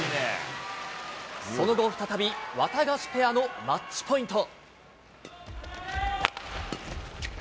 その後再び、ワタガシペアのマッチポイント。